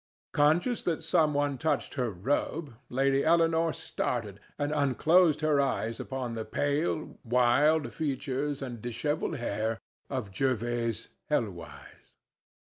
Conscious that some one touched her robe, Lady Eleanore started, and unclosed her eyes upon the pale, wild features and dishevelled hair of Jervase Helwyse.